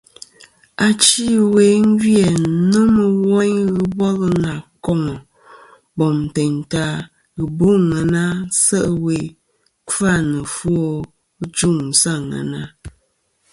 Achi ɨwe gvi-æ nomɨ woyn ghɨ bol nà koŋa bom teyn ta ghɨ bo àŋena se' ɨwe kfa nɨ ɨfwo ɨ juŋ sɨ àŋena.